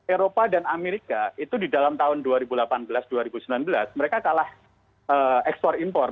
eropa dan amerika itu di dalam tahun dua ribu delapan belas dua ribu sembilan belas mereka kalah ekspor impor